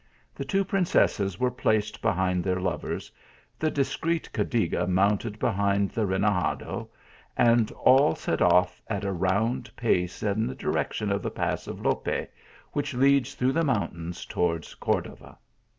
The two princesses were placed behind their lovers ; the discreet Cadiga mounted behind the renegade, and all set off at a round pace in the direction of the pass of Lope, which leads through the mountains towards Cordova.